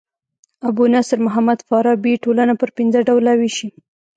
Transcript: ابو نصر محمد فارابي ټولنه پر پنځه ډوله ويشي.